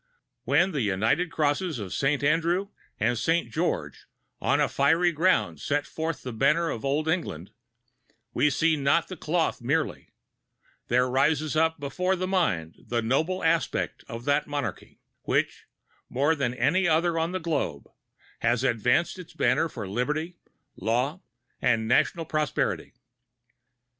When the united crosses of St. Andrew and St. George on a fiery ground set forth the banner of Old England, we see not the cloth merely; there rises up before the mind the noble aspect of that monarchy, which, more than any other on the globe, has advanced its banner for liberty, law, and national prosperity.